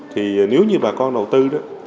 thì nếu như bà con đầu tư đó